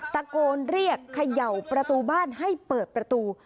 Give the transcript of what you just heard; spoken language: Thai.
ตะโกนเรียกเขย่าประตูบ้านให้เปิดประตู